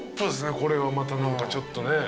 これはまたちょっとね。